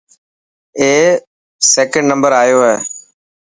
اي سڪنڊ نمبر آيو هي.